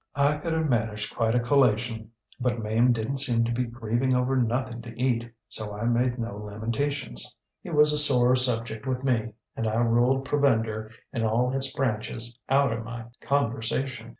I could have managed quite a collation, but Mame didnŌĆÖt seem to be grieving over nothing to eat, so I made no lamentations. It was a sore subject with me, and I ruled provender in all its branches out of my conversation.